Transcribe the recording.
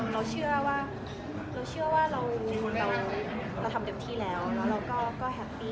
เราเชื่อว่าเราทำเต็มที่แล้วแล้วเราก็แฮปปี้